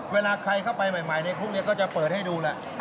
เวลาใครเข้าไปใหม่ในคุกก็จะเปิดให้ดูแหละ